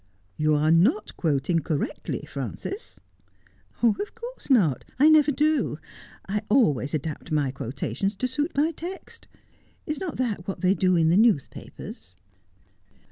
' You are not quoting correctly, Frances.' ' Of course not. I never do. I always adapt my quotations to suit my text. Is not that what they do in the newspapers